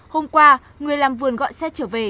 hôm qua người làm vườn gọi xe trở về